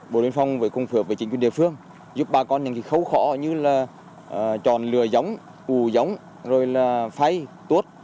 bộ biên phòng phải cung phước với chính quyền địa phương giúp bà con những khấu khó như là tròn lừa giống ù giống rồi là phay tuốt